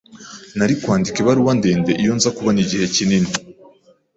Nari kwandika ibaruwa ndende iyo nza kubona igihe kinini.